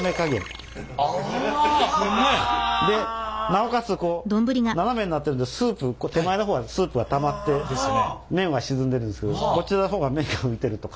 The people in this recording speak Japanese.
でなおかつ斜めになってるので手前の方はスープがたまって麺は沈んでるんですけどこちらの方が麺が浮いてるとか。